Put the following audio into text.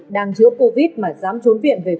đang chữa covid mà dám trốn viện về khu